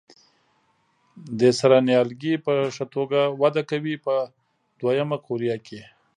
دې سره نیالګي په ښه توګه وده کوي په دوه یمه قوریه کې.